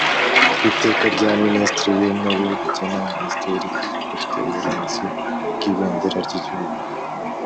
Iteka rya Minisitiri w Intebe rigena Minisiteri ifite uburinzi bw Ibendera ry Igihugu